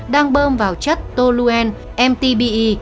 đang bơm vào chất toluen mtbe